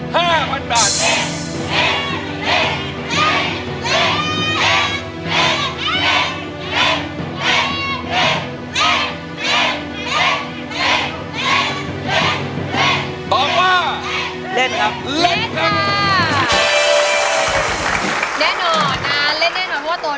หว่าเล่นครับ